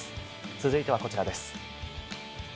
続いては、こちらです。